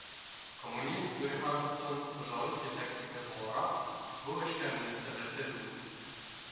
Коммунист Нурихановтың, хужалыҡ етәксеһе булараҡ, был эшкә мөнәсәбәте ҙур